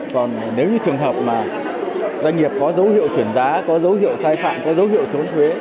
còn nếu như trường hợp mà doanh nghiệp có dấu hiệu chuyển giá có dấu hiệu sai phạm có dấu hiệu trốn thuế